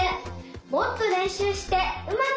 もっとれんしゅうしてうまくなりたい！